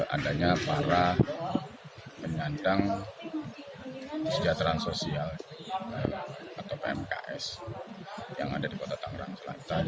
adanya para penyandang kesejahteraan sosial atau pmks yang ada di kota tangerang selatan